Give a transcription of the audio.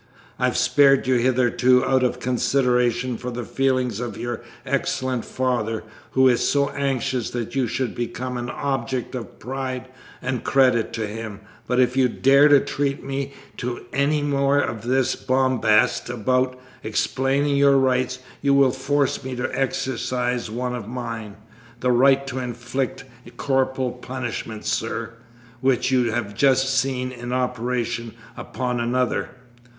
I've spared you hitherto out of consideration for the feelings of your excellent father, who is so anxious that you should become an object of pride and credit to him; but if you dare to treat me to any more of this bombast about 'explaining your rights,' you will force me to exercise one of mine the right to inflict corporal punishment, sir which you have just seen in operation upon another."